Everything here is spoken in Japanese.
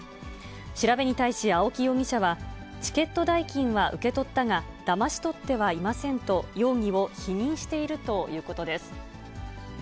調べに対し、青木容疑者は、チケット代金は受け取ったが、だまし取ってはいませんと、容疑を否認しているということです。